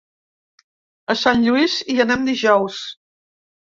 A Sant Lluís hi anem dijous.